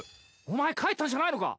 お前帰ったんじゃないのか！